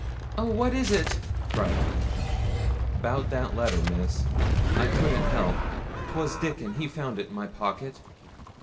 'Oh, what is it?' cried I. ''Bout that letter, Miss; I couldn't help. 'Twas Dickon, he found it in my pocket.